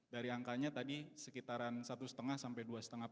dari angkanya tadi sekitaran satu lima sampai dua lima persen